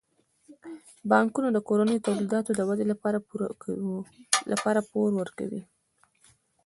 بانکونه د کورنیو تولیداتو د ودې لپاره پور ورکوي.